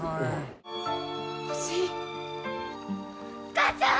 母ちゃん！